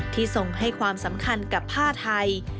ทรงให้ความสำคัญกับผ้าไทย